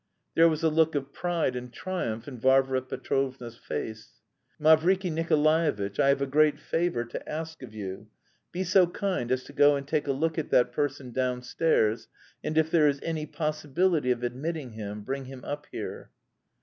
There was a look of pride and triumph in Varvara Petrovna's face. "Mavriky Nikolaevitch, I have a great favour to ask of you. Be so kind as to go and take a look at that person downstairs, and if there is any possibility of admitting him, bring him up here."